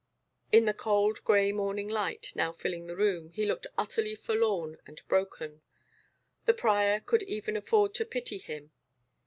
In the cold gray morning light, now filling the room, he looked utterly forlorn and broken. The prior could even afford to pity him.